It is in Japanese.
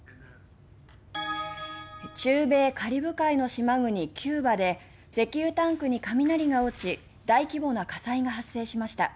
中米カリブ海の島国キューバで石油タンクに雷が落ち大規模な火災が発生しました。